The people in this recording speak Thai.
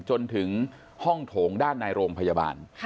จนถึงห้องโถงด้านในโรงพยาบาล